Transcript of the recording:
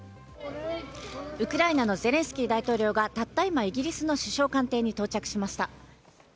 ウクライナのゼレンスキー大統領がたった今、イギリスの首相官邸に到着しました。